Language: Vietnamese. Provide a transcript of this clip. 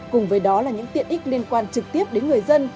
cùng với đó là những tiện ích liên quan trực tiếp đến người dân